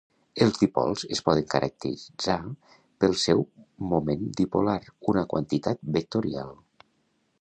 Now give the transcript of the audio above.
Els dipols es poden caracteritzar pel seu moment dipolar, una quantitat vectorial.